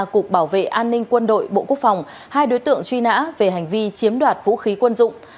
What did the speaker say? cục bảo vệ an ninh quân đội bộ quốc phòng hai đối tượng truy nã về hành vi chiếm đoạt vũ khí quân dụng